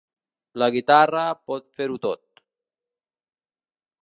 La guitarra pot fer-ho tot.